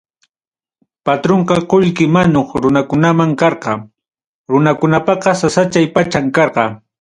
Patrunqa qullqi manuq runakunaman karqa, runakunapaqa sasachay pacham karqa.